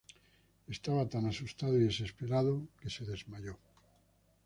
Estaba tan asustado y desesperado que se desmayó.